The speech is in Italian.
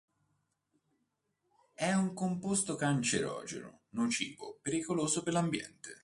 È un composto cancerogeno, nocivo, pericoloso per l'ambiente.